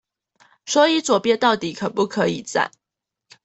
所以左邊到底可不可以站